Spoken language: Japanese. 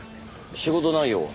仕事内容は？